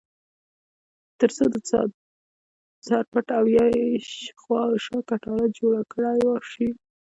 ترڅو د څاه سر پټ او یا یې خواوشا کټاره جوړه کړای شي.